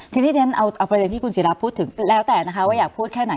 ทีนี้เดี๋ยวฉันเอาประเด็นที่คุณศิราพูดถึงแล้วแต่นะคะว่าอยากพูดแค่ไหน